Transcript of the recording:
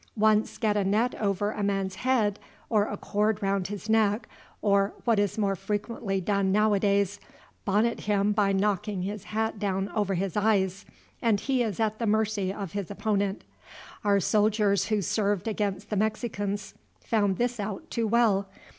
Once get a net over a man's head, or a cord round his neck, or, what is more frequently done nowadays, bonnet him by knocking his hat down over his eyes, and he is at the mercy of his opponent. Our soldiers who served against the Mexicans found this out too well.